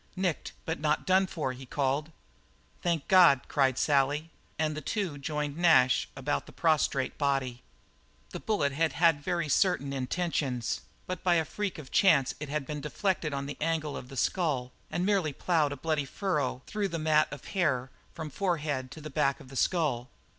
"Nicked, but not done for," he called. "Thank God!" cried Sally, and the two joined Nash about the prostrate body. That bullet had had very certain intentions, but by a freak of chance it had been deflected on the angle of the skull and merely ploughed a bloody furrow through the mat of hair from forehead to the back of the skull.